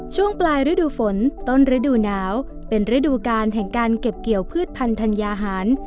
ช่วงปลายฤดูฝนต้นฤดูหนาวเป็นฤดูการแห่งการเก็บเกี่ยวพืชพันธัญญาหาร